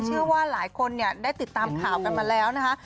เชื่อว่าหลายคนเนี่ยได้ติดตามข่าวกันมาแล้วนะคะ